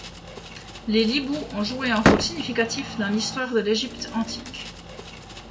Les Libou ont joué un rôle significatif dans l'histoire de Égypte antique.